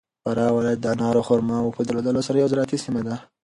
فراه ولایت د انارو او خرماوو په درلودلو سره یو زراعتي سیمه ده.